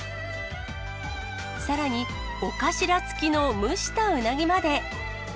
さらに、尾頭付きの蒸したうなぎまで。